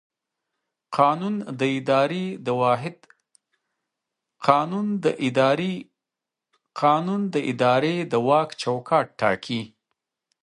قانون د ادارې د واک چوکاټ ټاکي.